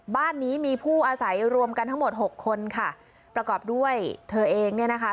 บ้านนี้มีผู้อาศัยรวมกันทั้งหมดหกคนค่ะประกอบด้วยเธอเองเนี่ยนะคะ